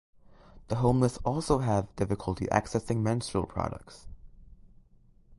The homeless also have difficulty accessing menstrual products.